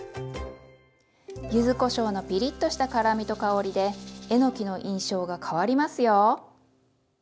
ゆずこしょうのピリッとした辛みと香りでえのきの印象が変わりますよ。